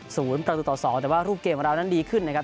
ศูนย์ประตูต่อสองแต่ว่ารูปเกมเวลานั้นดีขึ้นนะครับ